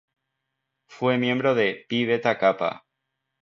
Fue miembro de Phi Beta Kappa.